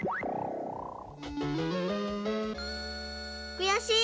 くやしい！